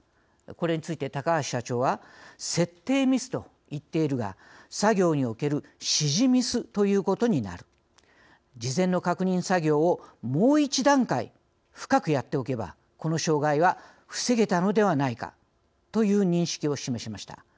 これについて高橋社長は「設定ミスと言っているが作業における指示ミスということになる」「事前の確認作業をもう一段階、深くやっておけばこの障害は防げたのではないか」という認識を示しました。